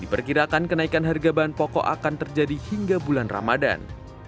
diperkirakan kenaikan harga bahan pokok akan terjadi hingga bulan ramadan